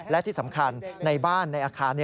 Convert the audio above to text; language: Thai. และที่สำคัญในบ้านในอาคาร